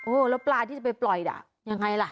แล้วปลาที่จะไปปล่อยอ่ะยังไงล่ะ